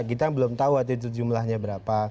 kita belum tahu jumlahnya berapa